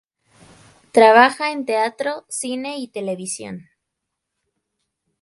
Trabaja en teatro, cine y televisión.